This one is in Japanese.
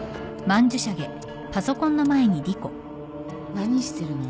何してるの？